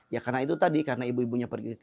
ya karena itu tadi karena ibu ibunya pergi